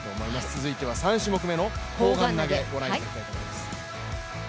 続いては３種目目の砲丸投、ご覧いただきたいと思います。